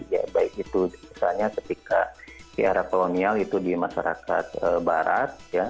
ya baik itu misalnya ketika di era kolonial itu di masyarakat barat